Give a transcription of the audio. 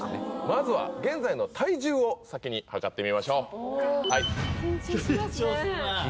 まずは現在の体重を先に量ってみましょう緊張しますね